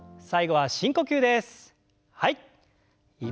はい。